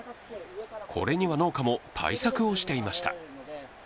これには農家も対策をしていました。